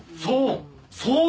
そう！